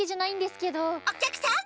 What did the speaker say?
おきゃくさん！